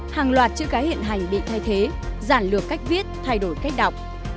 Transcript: hàng loạt chữ cái hiện hành bị thay thế giản lược cách viết thay đổi cách đọc